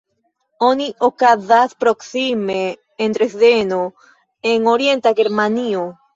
Unu okazas proksime de Dresdeno en orienta Germanio.